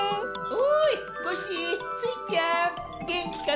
おいコッシースイちゃんげんきかのう？